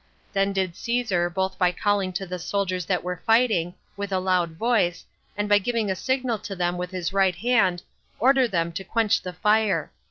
Then did Caesar, both by calling to the soldiers that were fighting, with a loud voice, and by giving a signal to them with his right hand, order them to quench the fire.